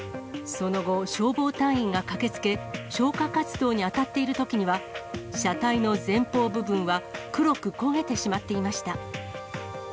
その後、消防隊員が駆けつけ、消火活動に当たっているときには、車体の前方部分は黒く焦げてしまっていました。